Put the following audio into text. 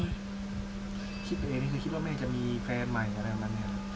คิดไปเองคือคิดว่าแม่จะมีแฟนใหม่อะไรแบบนั้นเนี่ย